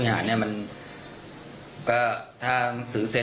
แต่ก็คิดว่าเป็นใครหรอก